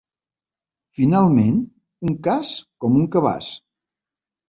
Finalment, un cas com un cabàs.